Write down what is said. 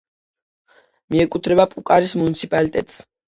მიეკუთვნება პუკარის მუნიციპალიტეტს.